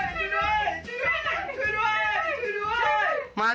ช่วยด้วย